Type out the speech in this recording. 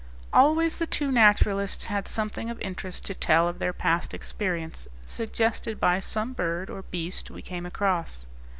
Always the two naturalists had something of interest to tell of their past experience, suggested by some bird or beast we came across.